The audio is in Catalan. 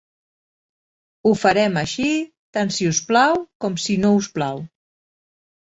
Ho farem així, tant si us plau com si no us plau.